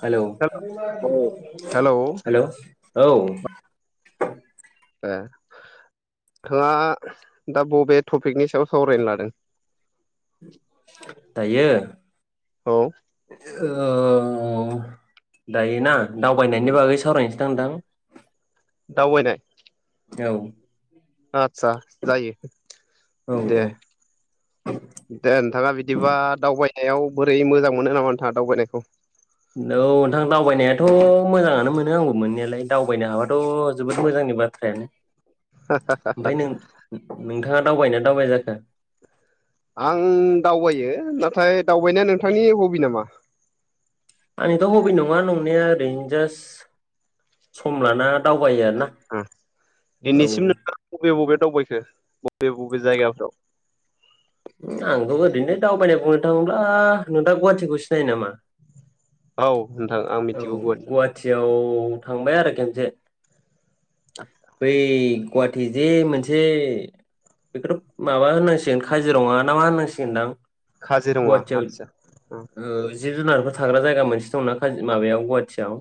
हेल' hello औ hello hello औ ए नोंथाङा दा बबे थपिकनि सायाव सावरायनो लादों दायो औ ओ दायोना दावबायनायनि बागै सावरायनोसै दां नोंथां दावबायनाय औ आदसा जायो औ दे औ दे नोंथाङा बिदिबा दावबाय एव बोरै मोजां मोनो नामा नोंथाङा दावबायनायखौ औ नोंथां दावबायनायाथ' मोजाङानो मोनो आंबो मोननायालाय दावबायनो हाबाथ' जोबोद मोजांनि बाथ्रायानो ओमफ्राय नों नोंथाङा दावबायना दावबाय जाखो आं दावबायो नाथाय दावबायनाया नोंथांनि हबि नामा आंनिथ' हबि नङा नंनाया ओरैनो जास्ट सम लाना दाव ओम दिनैसिम नों बबे बबे दावबायखो बबे बबे जायगाफ्राव आंथ' ओरैनो दावबायनाय बुंनो थाङोब्ला नोंथा गुवाहाटिखौ सिनायो नामा औ नोंथां आं औ मिथिगौ गुवाहाटि गुवाहाटियाव थांबाय आरो खेनसे बै गुवाटिजे मोनसे बेखौथ' माबा होननांसिगोन काजिरङा ना मा होननांसिगोनदां खाजिरङा गुवाहाटियाव आतसा उम ओ जिब -जुनारफोर थाग्रा जायगा मोनसे दंना खाज माबायाव गुवाथियाव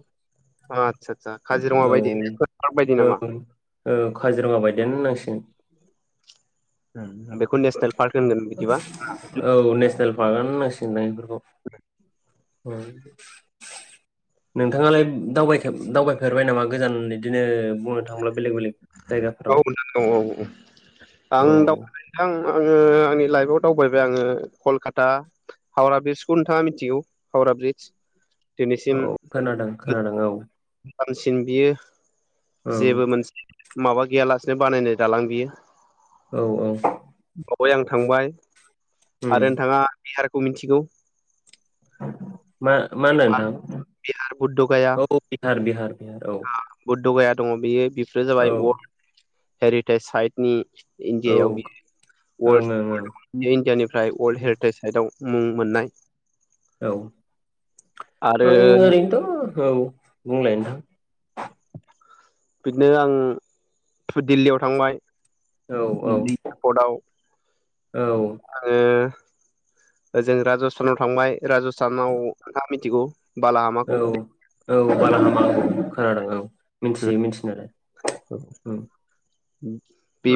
आदसा आदसा उम काजिरङा औ बायदि नेसनेल पार्क बायदि -औ नामा ओं ओं खाजिरङा बायदियानो होननांसिगोन ओं बेक औ नेसनेल फार्कआनो होननांसि [unintelligible] अह औ नोंथाङालाय दावबायखेब दावबायफेरबाय नामा गोजान इदिनो बुंनो थां [unintelligible] औ नोंगौ औ -औ आं औ दावबाय [unintelligible] [unintelligible] आंनि लाइफआव दावबायबाय आङो कलकाता हावराब्रिदजखौ नोंथाङा मिनथिगौ हावरा ब्रिदज औ दिनैसिम खोनादों खोनादों औ [unintelligible] सिन बियो औ जेबो मोनसे माबा गैयालासे बानायनाय दालां बियो औ -औ अइ आं थांबाय उम आरो नोंथाङा बिहार खौ मिनथिगौ मा मा होनो नोंथां आरो बुद्ध गाया औ बिहार बिहार बिहार औ बुद्ध गाया दङ' बेयो बिब [unintelligible] जाबाय औ अर हेरिटेस साइटनि औ इण्डियायाव ओं बियो ओं ओं वर्ल्डहे [unintelligible] इण्डियानिफ्राय वर्ल्डहेरिटाइस साइदआव उम मोननाय औ आरो आं ओरैनोथ' औ बुंलाय नोंथां बिदिनो आं थु दिल्लीयाव थांबाय। औ औ बि एपर्टआव औ आरो ओजों राजस्थानाव थांबाय। राजस्थानाव [unintelligible] मिथिगौ औ बालाहामाखौ औ बालाहामाखौ खोनादों औ मिनथियो मिनथिनायालाय उम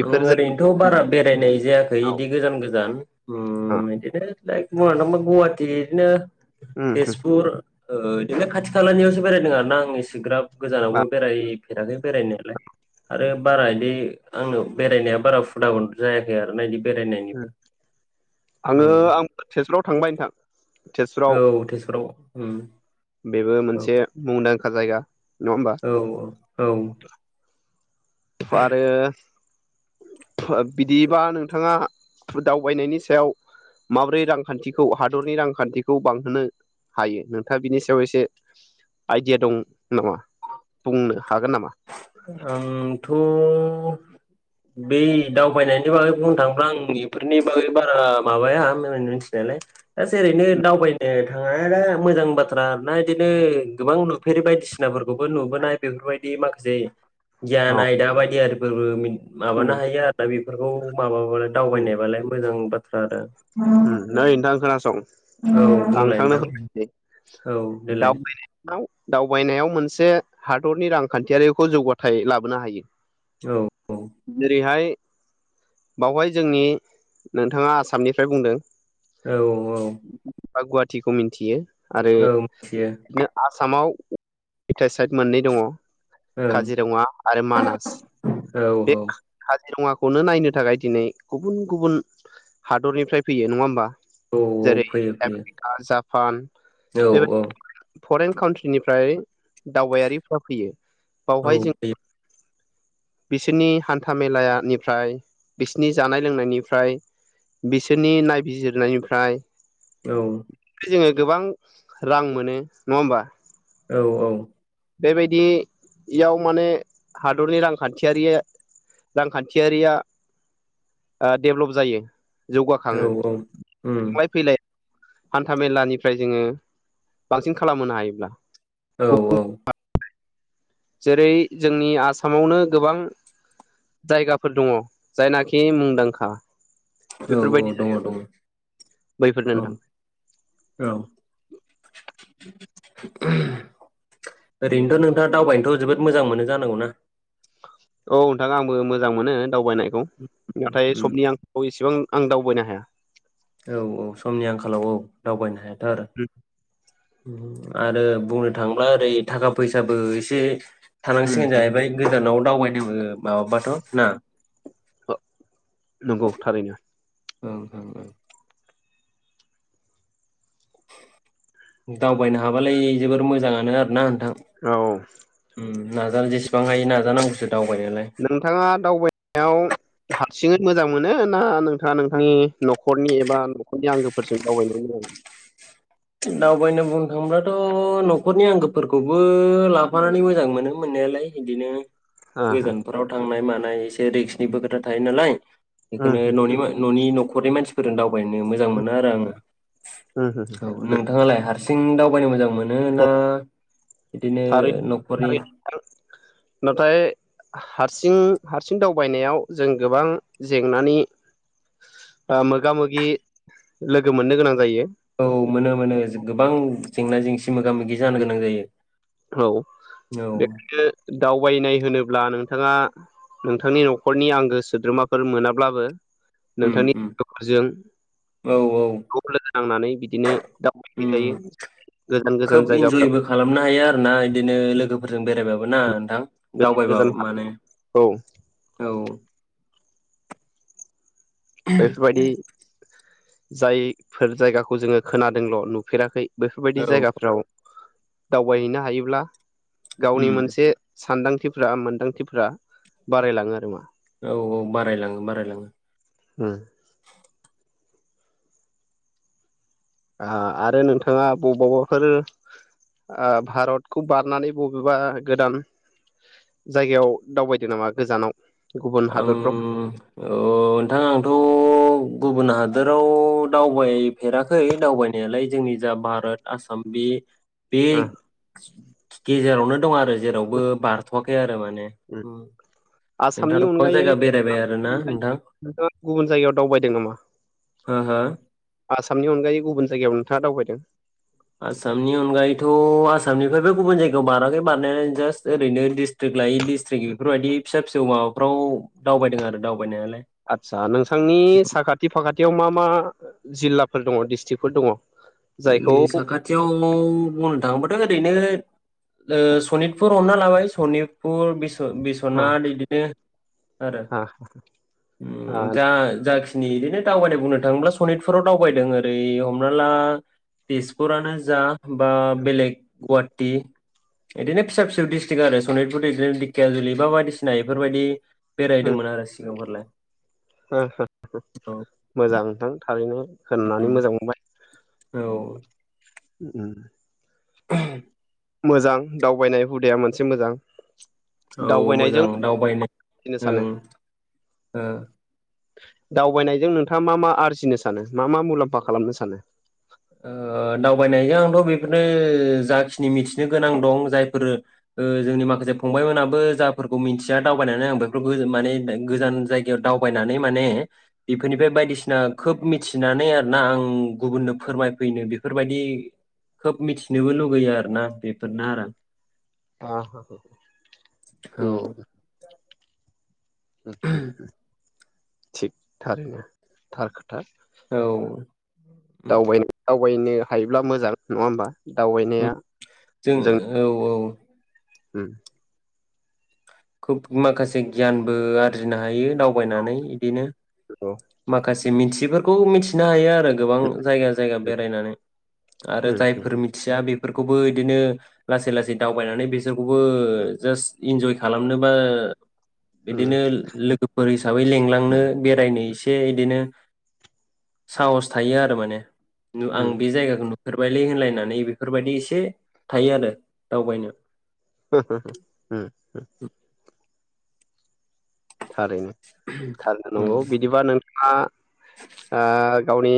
आं ओरैनोथ' बारा जायगायाव बेरायनाय जायाखै इदि गोजान गोजान उम इदिनो [unintelligible] गुवाटि इदिनो- तेजपुर ओ बिदिनो खाथि खालानियावसो बेरायदों आर ना आं एसेग्राब गोजानावबो बेराय फेराखै बेरायनायालाय आरो बारा बिदि आंनाव बेरायनाया बारा हुदा जायाखै आरो ना इदि ओम आङो औ आं तेजपुराव थांबाय नोंथां औ तेजपुराव। तेजपुराव उम बेबो औ मोनसे मुंदांखा जायगा। नङा होमबा औ औ औ आरो बिदिबा नोंथाङा दावबायनायनि सायाव माबोरै रांखान्थिखौ हादरनि रांखान्थिखौ बांहोनो हायो नोंथाङा बिनि सायाव एसे आइडिया दं नामा बुंनो? हागोन नामा? आं थ' बै दावबायनायनि बागै बुंनो थाङोब्ला आं बेफोरनि बागै बारा माबाया मोनथिनायालाय जास ओरैनो दावबायनो थाङा दा मोजां बाथ्रा ना बिदिनो गोबां नुफेरि बायदिसिनाफोरखौबो नुबोनाय बेफोरबायदि बिदि माखासे औ गियान आयदा बादि आरो [unintelligible] माबानो हायो आरो दा बेफोरखौ माबा बालाय दावबायनायबालाय मोजां बा आरो नै नोंथां खोनासं औ आं बुंलाय नोंथांनो नोंथां फोरमायनोसै औ देलाय दावबायनायाव दावबायनायाव मोनसे हादरनि रांखान्थियारिखौ जौगाथाय लाबोनो हायो। औ औ जेरैहाय बावहाय जोंनि नोंथाङा आसामनि फाय बुंदों। औ औ खौ मिन्थियो। आरो औ मिथियो आसामाव पेटसाइड मोननै दङ। ओं काजिरङा आरो मानास औ बे काजिरङाखौ खौनो नायनो थाखाय दिनै गुबुन गुबुन हा हादरनिफ्राय फैयो नङा होमबा? औ औ फैयो फैयो। फान औ औ। फरेन काउट्रिनिफ्राय दावबायारिफ्रा फैयो। औ बावहाय जों दे बिसोरनि हान्था मेलानिफ्राय बिसोरनि जानाय लोंनायनिफ्राय बिसोरनि नायबिजिरनायनिफ्राय औ। जोङो गोबां रां मोनो नङा होमबा? औ औ। बेबायदियाव माने हादरनि रांखान्थियारिया रांखान्थियारिया डेभ्लप जायो। औ जौगाखाङो उम थांलाय फैलाय हान्था मेलानिफ्राय जोङो बांसिन खालामहोनो हायोब्ला औ औ जेरै जोंनि आसामावनो गोबां जायगाफोर दङ जायनाखि मुंदांखा औ औ बेफोरबायदि दङ दङ बैफोर औ नोंथां औ। ओरैनोथ' नोंथाङा दावबायनोथ' जोबोद मोजां मोनो जानांगौना। औ नोंथाङा आंबो मोजां मोनो दावबायनायखौ नाथाय उम समनि आंखालाव इसेबां आं दावबायनो हाया। औ औ समनि आंखालाव औ दावबायनो हाया आरो आरो बुंनो थांब्ला ओरै थाखा फैसाबो एसे थानांसिगोन जाहैबाय गोजानाव दावबायनो माबाबाथ' ना नंगौ थारैनो। ओं ओं। दावबायनो हाबालाय जोबोर मोजाङानो आरोना। औ उम नाजानो जेसेबां हायो नाजानांगौसो। दावबायनोलाय नोंथाङा दावबायनायाव। सिङै मोजां मोनो ना नोंथाङा नोंथांनि न'खरनि एबा न'खरनि आंगोफोरजों दावबायनो मोजां मोनो? दावबायनो बुंनो थांब्लाथ' न'खरनि आंगोफोरखौबो लाफानानै मोजां मोनो मोननायालाय इदिनो। मोनो? गोजानफोराव थांनाय मान नाय एसे रिक्सनिबो खोथा थायो नालाय। बिखोनो न'नि न'नि न'खरनि मानसिफोरजों दावबायनो मोजां मोनो आरो आङो। औ नोंथाङालाय हारसिं दाव बायनो मोजां मोनो। मोनोना बिदिनो थारै न'खरनि। थारै नाथाय हारसिं हारसिं दावबायनायाव जों गोबां जेंनानि ओ मोगा मोगि लोगो मोननो गोनां जायो। औ मोनो मोनो गोबां जेंना जेंसि मोगा मोगि जानो गोनां जायो। औ औ बेखायनो दावबायनाय होनोब्ला नोंथाङा नोंथांनि न'खरनि आंगो सोद्रोमाफोर मोनाब्लाबो उम नोंथांनि उम लोगोफोरजों औ औ ग्रुप लोगो नांनानै बिदिनो दावबायनाय उम हैजायो गोजान खोब गोजान जायगाफ्राव। इन्जयबो खालामनो हायो आरोना बिदिनो लोगोफोरजों बेरायबाबो ना नोंथां? गोजान गोजान दावबायबाबो माने औ औ बेफोरबादि जायफोर जायगाखौ जोङो खोनादोंल' नुफेराखै बेफोरबायदि औ जायगाफ्राव दावबायहैनो हायोब्ला गावनि उम मोनसे सानदां थिफ्रा मोन्दांथिफ बारायलाङो आरो मा। औ औ बारायलाङो बारायलाङो। उम आ आरो नोंथाङा बबावबाफोर ओ भारतखौ बारनानै बबेबा गोदान जायगायाव दावबायदों नामा गोजानाव? गुबुन औ हादरफ्राव औ नोंथां आंथ' गुबुन हादोराव दावबायफेराखै दावबायनायालाय जोंनि जा भारत आसाम बे बे ओ उम गेजेरावनो दं आरो जेरावबो बारथ'वाखै आरो माने ने उम आसामनि नोंथाङाथ' गोबां जायगा अनगायैै बेरायबाय [unintelligible] आरोना नोंथां गुबुन जायगायाव दावबायदों नामा हो हो [unintelligible] आसामनि अनगायै गुबुन जायगायाव नोंथाङा दावबायदों आसामनि अनगायैथ आसामनिफ्रायबो गुबुन जायगायाव बाराखै बारनाया जास्ट ओरैनो डिस्ट्रिक्ट लायै डिस्ट्रिक बेफोरबायदि फिसा फिसौ माबाफ्राव दावबायदों आरो दावबायनायालाय आतसा नोंथांनि साखाथि फाखा थियाव मा मा जिल्लाफोर दङ डिस्ट्रिक्फोर दङ जोंनि जायखौ साखाथियाव बुंनो थांङोब ओरैनो ओ सनितपुर हमना लाबाय सनिपुर बि ओ हा बिसनाथ इदिनो आरो हा हा जा जाखि जोंनि इदिनो दावबायनो बुंनो थांङोब्ला सनितपुराव दावबायदों ओरै हमना ला तेजपुरानो जा बा बेलेग गुवाटि बिदि फिसा फिसौ डस्ट्रिक आरो सनितपुर बिदिनो दिखिया जुलि बा बायदिसिना बेफोरबायदि बेरायदोंमोन आरो सिगांफोरलाय हो हो हो औ मोजां नोंथां थारैनो होननानै मोजां मोनबाय औ उम [unintelligible] मोजां दावबायनाय हुदाया मोनसे मोजां औ दावबायनायजों मोजां दावबायनो आरजिनो औ सानो ओ दावबायनायजों नोंथाङा मा मा आरजिनो सानो मा मा मुलाम्फा खालामनो सानो ओ दावबायनायजों आंथ बेफोरनो जाखिनि मिथिनो गोनां दं जायफोर जोंनि ओ माखासे फंबायमोनाबो जाफोरखौ मिथिया दावबायनानै आं बेफोरखौ माने गोजान जायगायाव दावबायनानै माने बेफोरनिफ्राय बायदिसिना खोब मिथिनानै आरोना आं गुबुननो फोरमायफैनो बेफोरबायदि खोब मिथिनोबो लुगैयो आरोना बेफोरनो आरो अ ओम होम होम होम थिग थारैनो थार खो था औ दावबायनायाव थगायनो हायोब्ला मोजां नंङा होमबा दावबायनाया जों औ औ ओम खुब माखासे गियानबो आरजिनो हायो दावबायनानै इदिनो औ माखासे मिथियैफोर खौ मिथिनो हायो आरो जाय गोबां जायगा जायगा उम बेरायनानै आरो जायफोर मिथिया बे बेफोरखौबो इदिनो लासै लासै दावबायनानै बेजों थबो जास्ट इन्जय खालामनोबा उम बिदिनो लोगोफोर हिसाबै लिलांनो उम बेरायनो एसे । एसे इदिनो साहस थायो आरो माने नु आं उम बे जायगाखौ नु फोरबायलै होनलायनानै बेफोरबायदि एसे थायो आरो दावबायनो । हो हो ओम । थारैनो । थारैनो उम नंगौ बिदिबा नोंथाङा ओ गावनि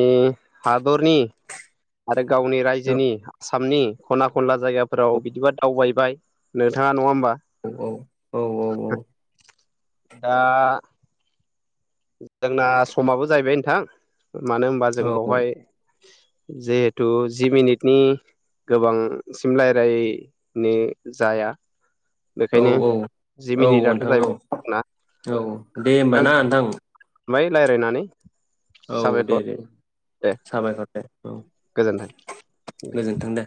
हादरनि आरो गावनि रायजोनि आसामनि खना खनला जायगाफोराव बिदिबा दावबाय नोंथाङा नङा होमबा? औ औ औ औ दा जोंना समाबो जाहैबाय नोंथां। मानो होमबा जों औ बावहाय जिहेथु जि मिनिटनि गोबां सिम रायलाय नो जाया। औ बेखायनो औ जि औ मिनिटआथ' नोंथां औ जाहैबाय जोंना औ दे होमबा ना नोंथां। बाय लायरायनानै। औ दे दे। साबायखर दे। औ गोजोन्थों । गोजोन्थों दे।